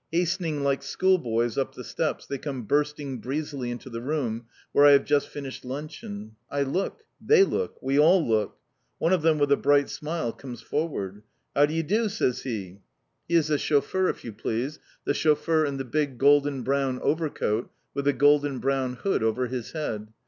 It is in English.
Hastening, like school boys, up the steps, they come bursting breezily into the room where I have just finished luncheon. I look! They look!! We all look!!! One of them with a bright smile comes forward. "How do you do?" says he. He is the chauffeur, if you please, the chauffeur in the big golden brown overcoat, with a golden brown hood over his head.